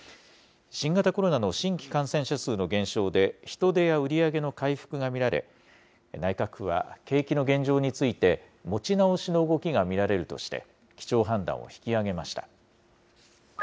新型コロナの新規感染者数の減少で、人出や売り上げの回復が見られ、内閣府は、景気の現状について、持ち直しの動きが見られるとして、基調判断を引き上げました。